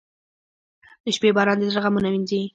• د شپې باران د زړه غمونه وینځي.